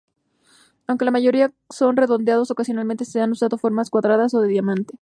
Aunque la mayoría son redondeados, ocasionalmente se han usado formas cuadradas o de diamante.